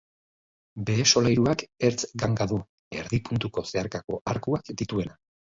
Behe solairuak ertz-ganga du, erdi-puntuko zeharkako arkuak dituena.